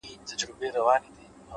پوه انسان د اورېدو ارزښت هېر نه کوي